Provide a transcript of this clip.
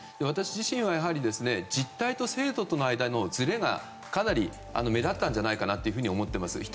私自身は実態と制度との間のずれがかなり目立ったんじゃないかなと思っています。